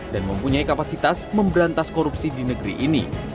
dan mempunyai kapasitas memberantas korupsi di negeri ini